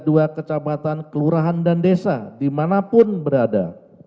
kepada kecabatan kelurahan dan desa dimanapun berada